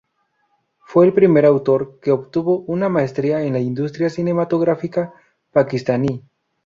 Fue el primer actor que obtuvo una maestría en la industria cinematográfica paquistaní.